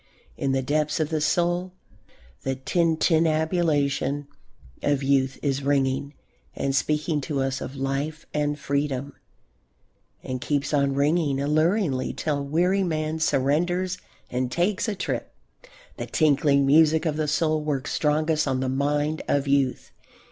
In the depths of the soul the tintinnabulation of youth is ringing and speaking to us of life and freedom, and keeps on ringing alluringly till weary man surrenders and takes a trip. The tinkling music of the soul works strongest on the mind of youth.